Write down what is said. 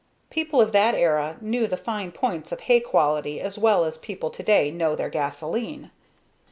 People of that era knew the fine points of hay quality as well as people today know their gasoline.